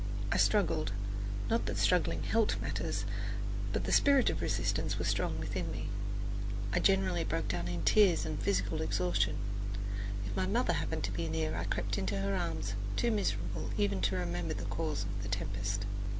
I struggled not that struggling helped matters, but the spirit of resistance was strong within me; I generally broke down in tears and physical exhaustion. If my mother happened to be near I crept into her arms, too miserable even to remember the cause of the tempest.